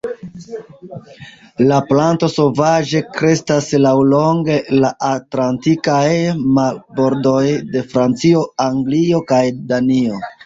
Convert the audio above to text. La planto sovaĝe kreskas laŭlonge la atlantikaj marbordoj de Francio, Anglio kaj Danio.